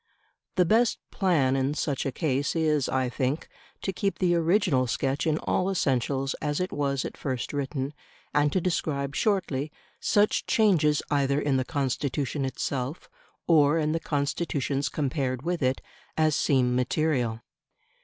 The best plan in such a case is, I think, to keep the original sketch in all essentials as it was at first written, and to describe shortly such changes either in the Constitution itself, or in the Constitutions compared with it, as seem material.